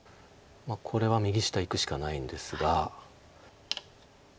これは右下いくしかないんですが。